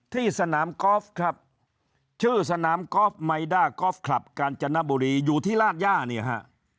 ที่สนามกอล์ฟครับชื่อสนามกอล์ฟไมด้ากอล์ฟคลับกาญจนบุรีอยู่ที่ราชย่าเนี่ยฮะ